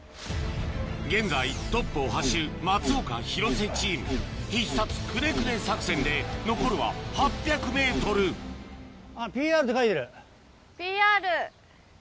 現在トップを走る松岡・広瀬チーム必殺クネクネ作戦で残るは８００ｍＰＲ。